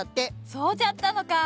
そうじゃったのか。